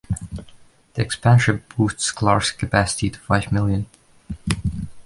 The expansion boosts Clark's capacity to five million.